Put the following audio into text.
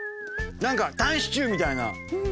なんかタンシチューみたいな。